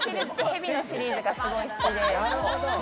蛇のシリーズがすごい好きで。